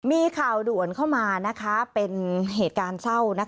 มีข่าวด่วนเข้ามาเป็นเหตุการณ์เศร้า